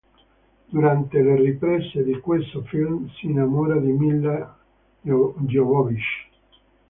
Durante le riprese di questo film si innamora di Milla Jovovich.